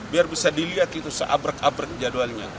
biar bisa dilihat itu seabrak abrek jadwalnya